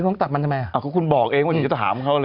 ล้วงตับมันทำไมคุณบอกเองว่าอย่าถามเขาเลย